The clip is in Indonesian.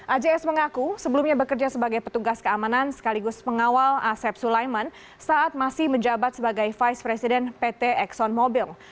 ajs mengaku sebelumnya bekerja sebagai petugas keamanan sekaligus pengawal asep sulaiman saat masih menjabat sebagai vice president pt exxon mobil